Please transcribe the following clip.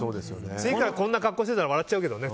次、こんな格好してたら笑っちゃうけどね。